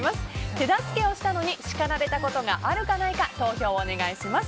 手助けをしたのに叱られたことがあるかないか投票をお願いします。